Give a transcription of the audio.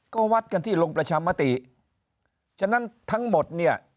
ก็วัดกันที่ลงประชามติฉะนั้นทั้งหมดเนี่ย